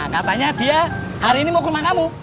katanya dia hari ini mau ke rumah kamu